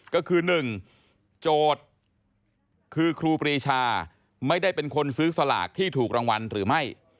ก็คือ๑โจทย์คือครูปรีชาไม่ได้เป็นคนซื้อสลากที่ถูกรางวัลหรือไม่